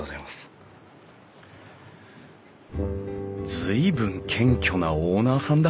随分謙虚なオーナーさんだ。